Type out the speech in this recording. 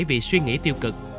vì suy nghĩ tiêu cực